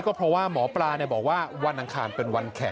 ก็เพราะว่าหมอปลาบอกว่าวันอังคารเป็นวันแขก